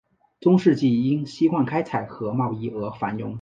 中世纪因锡矿开采和贸易而繁荣。